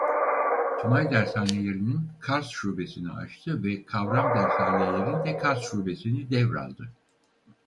Tümay Dershaneleri'nin Kars şubesini açtı ve Kavram Dershaneleri'nin de Kars şubesini devraldı.